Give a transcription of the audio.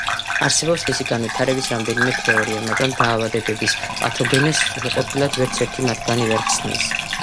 არსებობს მისი განვითარების რამდენიმე თეორია, მაგრამ დაავადებების პათოგენეზს სრულყოფილად ვერც ერთი მათგანი ვერ ხსნის.